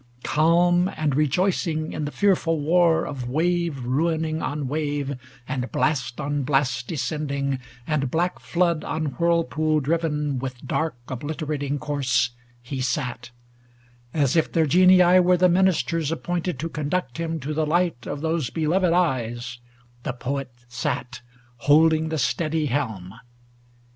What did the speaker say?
38 ALASTOR Calm and rejoicing in the fearful war Of wave ruining on wave, and blast on blast Descending, and black flood on whirlpool driven With dark obliterating course, he sate: As if their genii were the ministers 330 Appointed to conduct him to the light Of those beloved eyes, the Poet sate, Holding the steady helm.